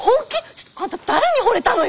ちょっとあんた誰にほれたのよ！